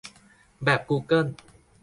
"แบบกูเกิล"